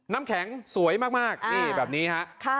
น้ำแข็งสวยมากนี่แบบนี้ฮะ